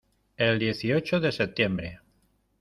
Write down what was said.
el dieciocho de septiembre.